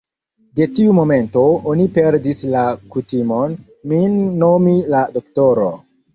De tiu momento, oni perdis la kutimon, min nomi la doktoro.